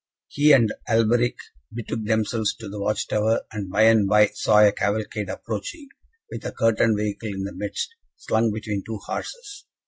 He and Alberic betook themselves to the watch tower, and, by and by, saw a cavalcade approaching, with a curtained vehicle in the midst, slung between two horses.